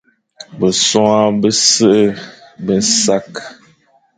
Besoña bese be nsakh,